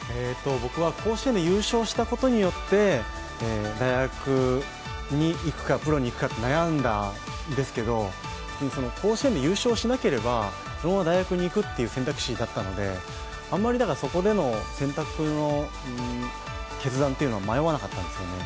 僕は甲子園で優勝したことによって、大学に行くかプロに行くか悩んだんですけれども、甲子園で優勝しなければそのまま大学に行くという選択肢だったのであまりそこでの選択の決断は迷わなかったですね。